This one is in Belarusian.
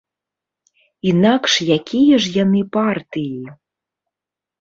Інакш якія ж яны партыі?